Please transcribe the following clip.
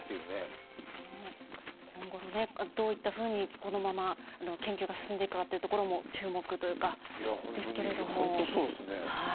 今後もどういったふうにこのまま研究が進んでいくかというところも注目ですけれども。